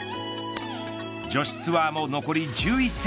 女子ツアーも、残り１１戦。